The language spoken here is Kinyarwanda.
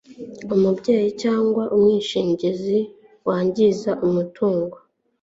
umubyeyi cyangwa umwishingizi wangiza umutungo